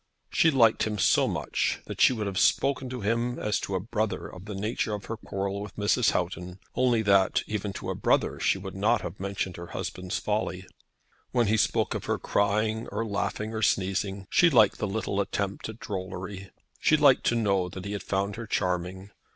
She liked him so much, that she would have spoken to him as to a brother of the nature of her quarrel with Mrs. Houghton, only that, even to a brother, she would not have mentioned her husband's folly. When he spoke of her crying, or laughing, or sneezing, she liked the little attempt at drollery. She liked to know that he had found her charming.